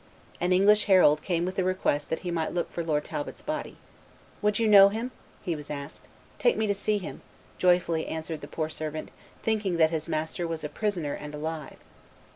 An English herald came with a request that he might look for Lord' Talbot's body. "Would you know him?" he was asked. "Take me to see him," joyfully answered the poor servant, thinking that his master was a prisoner and alive.